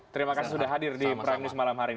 terima kasih sudah hadir di prime news malam hari ini